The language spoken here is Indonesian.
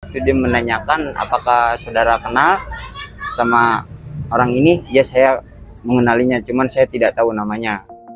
itu dia menanyakan apakah saudara kenal sama orang ini ya saya mengenalinya cuma saya tidak tahu namanya